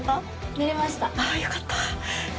あよかった。